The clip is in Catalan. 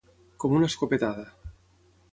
Com una escopetada.